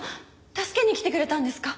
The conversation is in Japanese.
助けに来てくれたんですか？